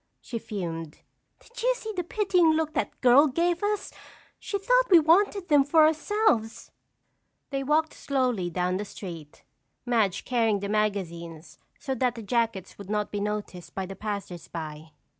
she fumed. "Did you see the pitying look that girl gave us? She thought we wanted them for ourselves." They walked slowly down the street, Madge carrying the magazines so that the jackets would not be noticed by the passersby.